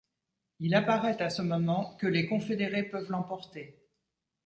Il apparaît à ce moment que les confédérés peuvent l'emporter.